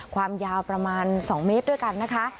ความยาวประมาณ๒เมตรด้วยกันนะคะ